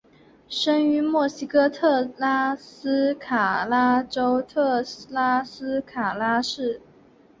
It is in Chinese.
生于墨西哥特拉斯卡拉州特拉斯卡拉市。